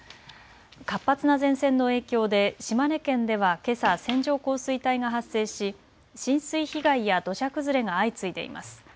活発な前線の影響で島根県ではけさ線状降水帯が発生し浸水被害や土砂崩れが相次いでいます。